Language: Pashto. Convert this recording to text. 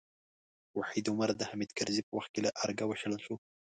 وحید عمر د حامد کرزي په وخت کې له ارګه وشړل شو.